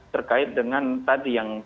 terkait dengan tadi yang